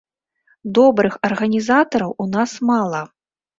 Добрых арганізатараў у нас мала.